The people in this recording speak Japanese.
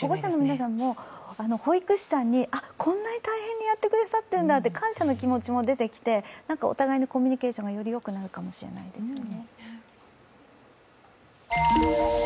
保護者の皆さんも、保育士さんにこんなに大変にやってくださっているんだと感謝の気持ちも出てきて、お互いのコミュニケーションがよりよくなるかもしれないですよね。